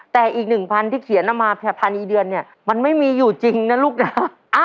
แต่อีกหนึ่งพันธุ์ที่เขียนมาแผ่นพันธุ์อีเดือนเนี่ยมันไม่มีอยู่จริงนะลูกนะครับ